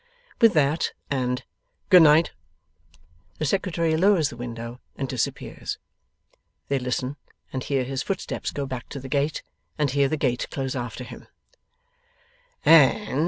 With that, and 'Good night,' the Secretary lowers the window, and disappears. They listen, and hear his footsteps go back to the gate, and hear the gate close after him.